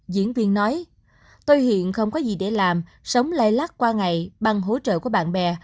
diễn viên nói tôi hiện không có gì để làm sống lai lát qua ngày bằng hỗ trợ của bạn bè